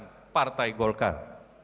dan mengembangkan partai golkar